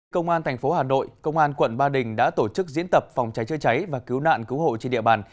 công an thành phố hà nội công an quận ba đình đã tổ chức diễn tập phòng cháy chơi cháy và cứu nạn cứu hộ trên địa bàn